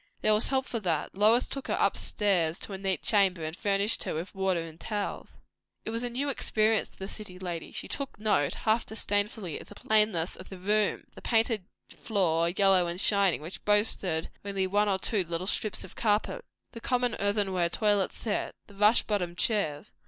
There was help for that; Lois took her upstairs to a neat chamber, and furnished her with water and towels. It was new experience to the city lady. She took note, half disdainfully, of the plainness of the room; the painted floor, yellow and shining, which boasted only one or two little strips of carpet; the common earthenware toilet set; the rush bottomed chairs.